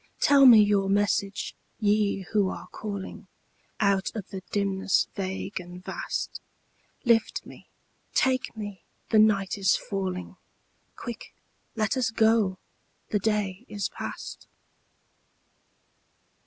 Tell me your message, Ye who are calling Out of the dimness vague and vast; Lift me, take me, the night is falling; Quick, let us go, the day is past.